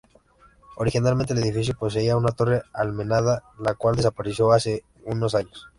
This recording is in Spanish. Originalmente el edificio poseía una torre almenada la cual desapareció hace unos años.